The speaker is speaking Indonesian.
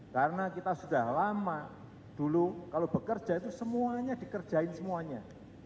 karena kita sudah lama dulu kalau bekerja itu semuanya dikerjain semuanya